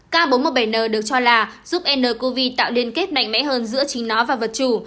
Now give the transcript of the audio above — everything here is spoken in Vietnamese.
k bốn trăm một mươi bảy n được cho là giúp ncov tạo liên kết mạnh mẽ hơn giữa chính nó và vật chủ